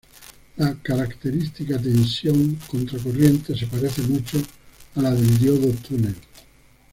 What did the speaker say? La característica tensión contra corriente se parece mucho a la del diodo túnel.